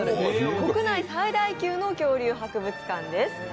国内最大級の恐竜博物館です。